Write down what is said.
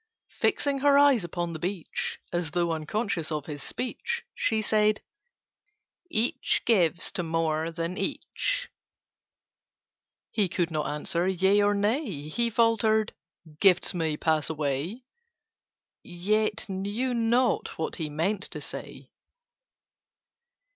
Fixing her eyes upon the beach, As though unconscious of his speech, She said "Each gives to more than each." He could not answer yea or nay: He faltered "Gifts may pass away." Yet knew not what he meant to say.